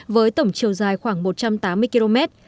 với tổng chiều dài khoảng một trăm tám mươi km